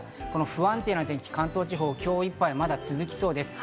不安定な天気、関東地方、今日いっぱいまだ続きそうです。